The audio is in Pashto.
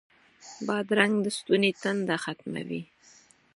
بادرنګ د ستوني تنده ختموي.